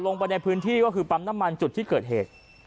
ลงไปในพื้นที่ก็คือปั๊มน้ำมันจุดที่เกิดเหตุ